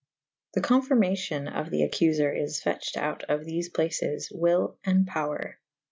The confyrmacyon of the accufer is fetched out of thele places / wyl / and power.